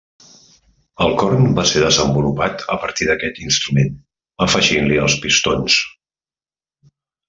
El corn va ser desenvolupat a partir d'aquest instrument, afegint-li els pistons.